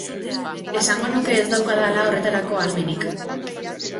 Esango nuke ez daukadala horretarako ahalmenik.